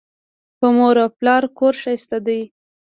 په مور او پلار کور ښایسته دی